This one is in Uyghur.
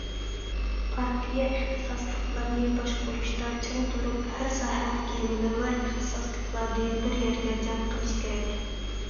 پارتىيە ئىختىساسلىقلارنى باشقۇرۇشتا چىڭ تۇرۇپ، ھەر ساھەدىكى مۇنەۋۋەر ئىختىساسلىقلارنى بىر يەرگە جەم قىلىش كېرەك.